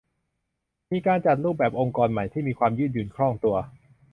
มีการจัดรูปแบบองค์กรใหม่ที่มีความยืดหยุ่นคล่องตัว